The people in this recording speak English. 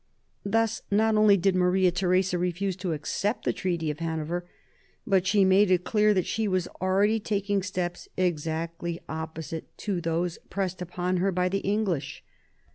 Thus not only did Maria Theresa refuse to accept the Treaty of Hanover, but she made it clear that she was already taking steps exactly opposite to those pressed upon her by the English.